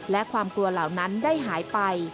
และความกลัวเหล่านั้นได้หายไป